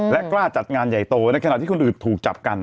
และกล้าจัดงานใหญ่โตในขณะที่คนอื่นถูกจับกัน